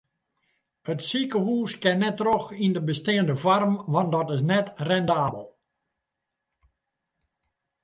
It sikehûs kin net troch yn de besteande foarm want dat is net rendabel.